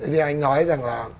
thì anh nói rằng là